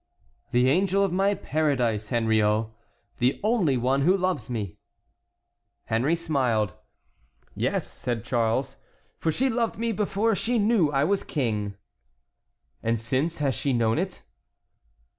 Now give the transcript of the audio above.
"The angel of my paradise, Henriot, the only one who loves me." Henry smiled. "Yes," said Charles, "for she loved me before she knew I was King." "And since she has known it?"